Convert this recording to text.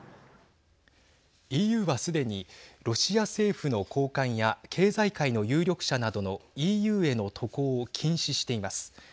ＥＵは、すでにロシア政府の高官や経済界の有力者などのＥＵへの渡航を禁止しています。